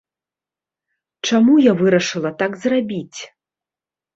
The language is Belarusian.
Чаму я вырашыла так зрабіць?